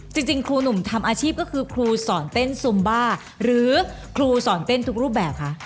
จริงครูหนุ่มทำอาชีพก็คือครูสอนเต้นซุมบ้าหรือครูสอนเต้นทุกรูปแบบคะ